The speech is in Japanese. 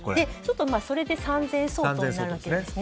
それで３０００円相当になるんですね。